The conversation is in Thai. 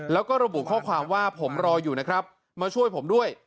แล้วก็ระบุข้อความว่าผมรออยู่นะครับมาช่วยผมด้วย